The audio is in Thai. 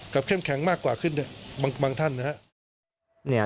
กับเข้มแข็งมากกว่าขึ้นบางท่านนะครับ